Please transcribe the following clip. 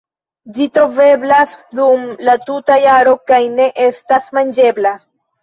Ĝi troveblas dum la tuta jaro kaj ne estas manĝebla.